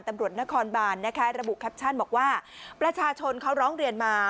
ตำรวจนครบานนะคะระบุแคปชั่นบอกว่าประชาชนเขาร้องเรียนมา